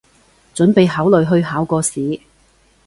準備考慮去考個試